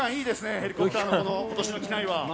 ヘリコプターの今年の機内は。